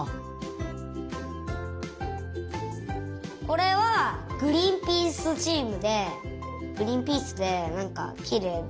これはグリンピースチームでグリンピースでなんかきれいで。